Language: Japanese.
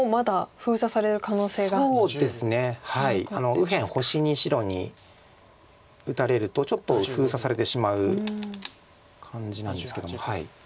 右辺星に白に打たれるとちょっと封鎖されてしまう感じなんですけども。